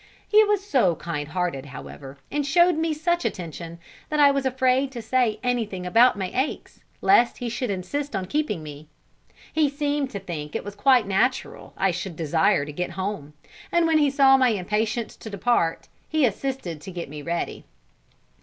He was so kind hearted, however, and showed me such attention, that I was afraid to say anything about my aches, lest he should insist on keeping me. He seemed to think it was quite natural I should desire to get home; and when he saw my impatience to depart, he assisted to get me ready.